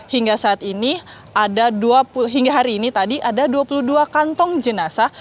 hingga saat ini ada hingga hari ini tadi ada dua puluh dua kantong jenazah